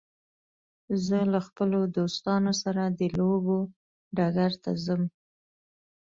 زه له خپلو دوستانو سره د لوبو ډګر ته ځم.